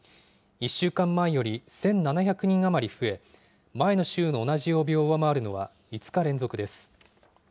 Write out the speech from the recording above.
１週間前より１７００人余り増え、前の週の同じ曜日を上回るのは５日連続です。